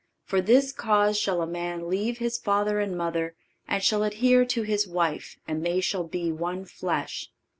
For this cause shall a man leave his father and mother, and shall adhere to his wife and they shall be one flesh.